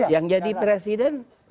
yang jadi presiden